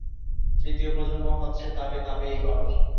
তৃতীয় প্রজন্ম হচ্ছে- তাবে-তাবেয়ীগণ।